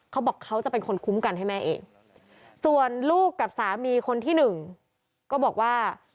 เขาบอกเขาจะเป็นคนคุ้มกันให้แม่เองส่วนลูกกับสามีคนที่หนึ่งก็บอกว่า